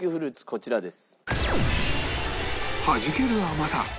こちらです。